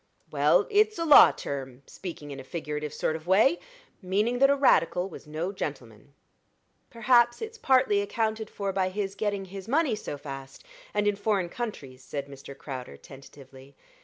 "Well, it's a law term speaking in a figurative sort of way meaning that a Radical was no gentleman." "Perhaps it's partly accounted for by his getting his money so fast, and in foreign countries," said Mr. Crowder, tentatively.